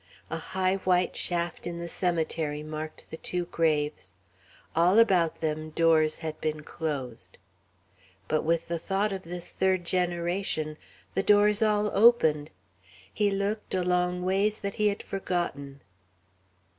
A high white shaft in the cemetery marked the two graves. All about them doors had been closed. But with the thought of this third generation, the doors all opened. He looked along ways that he had forgotten.